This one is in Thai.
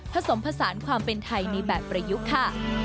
ผสมผสานความเป็นไทยในแบบประยุกต์ค่ะ